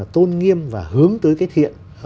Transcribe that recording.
tôn nghiêm và hướng tới cái thiện